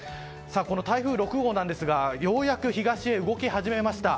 台風６号なんですがようやく東へ動き始めました。